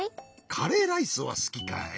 カレーライスはすきかい？